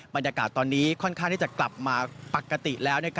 บรรยากาศตอนนี้ค่อนข้างที่จะกลับมาปกติแล้ว